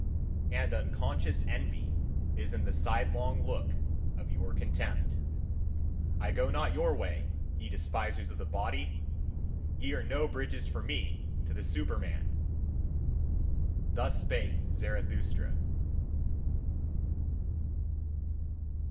And unconscious envy is in the sidelong look of your contempt. I go not your way, ye despisers of the body! Ye are no bridges for me to the Superman! Thus spake Zarathustra.